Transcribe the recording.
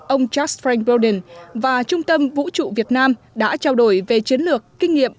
ông george frank brodin và trung tâm vũ trụ việt nam đã trao đổi về chiến lược kinh nghiệm